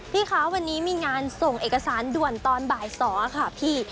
พี่คะวันนี้มีงานส่งเอกสารด่วนตอนบ่าย๒ค่ะพี่